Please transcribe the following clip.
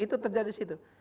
itu terjadi di situ